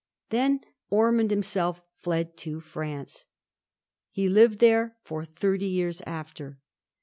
Then Ormond himself fled to France. He lived there for thirty years after.